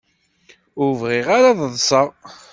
Ur bɣiɣ ara ad ṭṭseɣ.